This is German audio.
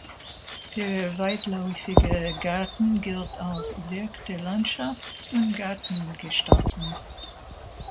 Der weitläufige Garten gilt als "Werk der Landschafts- und Gartengestaltung".